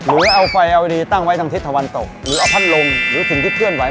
หรือเอาไฟเอาดีตั้งไว้ทางทิศตะวันตกหรือเอาพัดลมหรือสิ่งที่เคลื่อนไห